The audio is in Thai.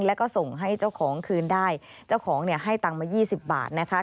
แล้วก็ส่งให้เจ้าของคืนได้เจ้าของเนี่ยให้ตังค์มายี่สิบบาทนะคะ